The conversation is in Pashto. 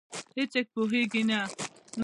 هیڅوک پوهېږې نه،